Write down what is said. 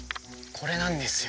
これなんですよ。